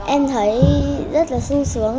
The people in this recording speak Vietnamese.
em thấy rất là sung sướng